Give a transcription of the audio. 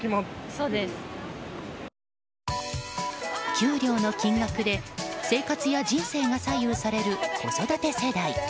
給料の金額で生活や人生が左右される子育て世代。